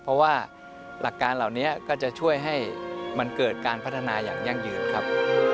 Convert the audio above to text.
เพราะว่าหลักการเหล่านี้ก็จะช่วยให้มันเกิดการพัฒนาอย่างยั่งยืนครับ